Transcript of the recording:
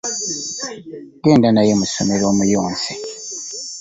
Genda naye mu ssomero omuyonse.